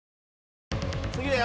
次だよ